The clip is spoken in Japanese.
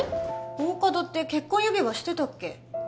大加戸って結婚指輪してたっけ？